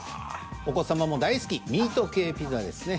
お子様も大好きミート系ピザですね。